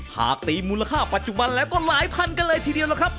หากตีมูลค่าปัจจุบันแล้วก็หลายพันกันเลยทีเดียวล่ะครับ